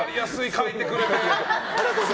書いてくれて。